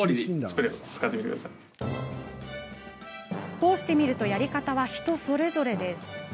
こうしてみるとやり方は人それぞれ。